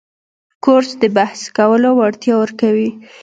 کورس د بحث کولو وړتیا ورکوي.